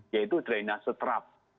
yaitu drainase terap